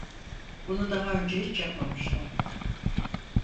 Bunu daha önce hiç yapmamıştım.